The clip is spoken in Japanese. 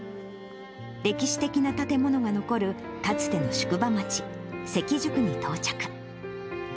歴史的な建物が残るかつての宿場町、せきじゅくに到着。